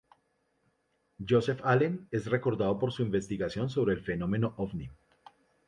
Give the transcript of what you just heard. Josef Allen es recordado por su investigación sobre el fenómeno ovni.